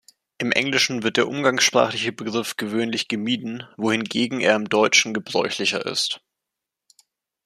Im Englischen wird der umgangssprachliche Begriff gewöhnlich gemieden, wohingegen er im Deutschen gebräuchlicher ist.